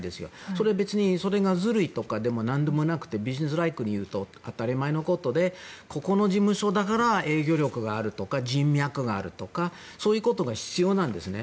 それは別に、それがずるいとかいうわけではなくてビジネスライクにいうと当たり前のことでここの事務所だから営業力があるとか人脈があるとかそういうことが必要なんですね。